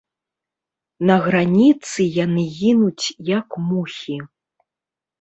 На граніцы яны гінуць як мухі.